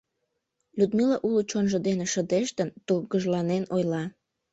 Людмила уло чонжо дене шыдештын, тургыжланен ойла.